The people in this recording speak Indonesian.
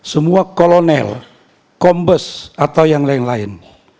semua kolonel kombes atau yang lain lain